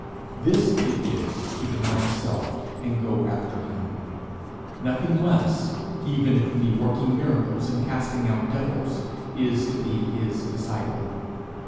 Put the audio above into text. This it is to deny self and go after him; nothing less, even if it be working miracles and casting out devils, is to be his disciple.